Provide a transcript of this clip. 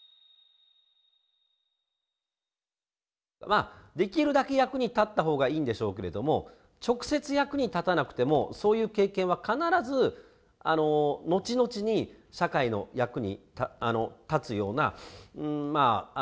まあできるだけ役に立ったほうがいいんでしょうけれども直接役に立たなくてもそういう経験は必ず後々に社会の役に立つようなものにつながってくるんだろうな。